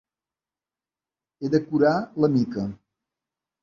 He de curar la Mica.